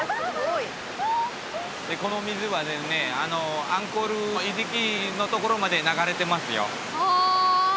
この水はですねアンコール遺跡のところまで流れてますよはあ！